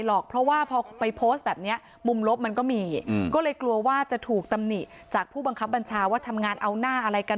หรอกเพราะว่าพอไปโพสต์แบบนี้มุมลบมันก็มีก็เลยกลัวว่าจะถูกตำหนิจากผู้บังคับบัญชาว่าทำงานเอาหน้าอะไรกัน